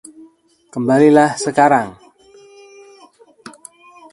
Kembalilah sekarang.